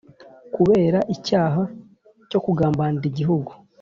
kubera icyaha cyo kugambanira Igihugu